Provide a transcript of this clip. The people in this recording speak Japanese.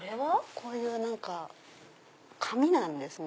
こういう紙なんですね